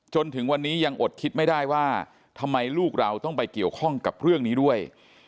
จนถึงวันนี้ยังอดคิดไม่ได้ว่าทำไมลูกเราต้องไปเกี่ยวข้องกับเรื่องนี้ด้วย